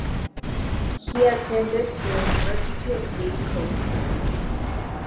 He attended the University of Cape Coast.